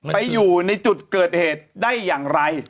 ไปอยู่ในจุดเกิดเหตุได้อย่างไร